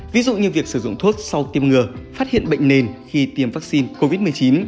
ví dụ như việc sử dụng thuốc sau tiêm ngừa phát hiện bệnh nền khi tiêm vaccine covid một mươi chín